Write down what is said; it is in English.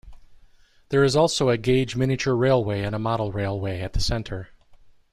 There is also a gauge miniature railway and a model railway at the Centre.